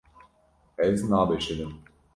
Ez nabişirim.